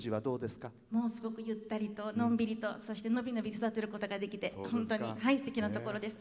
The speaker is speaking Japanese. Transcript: すごく、ゆったりとのんびりとそして伸び伸び育てることができて本当にすてきな所です。